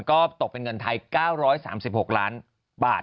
ก็ตกเป็นเงินไทย๙๓๖ล้านบาท